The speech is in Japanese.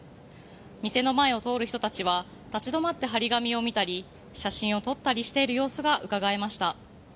店の前を通る人たちは立ち止まって貼り紙を見たり写真を撮ったりしている様子がうかがえました。